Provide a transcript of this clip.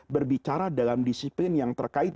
berbicara dalam disiplin yang terkait